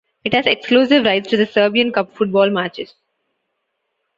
It has exclusive rights to the Serbian Cup football matches.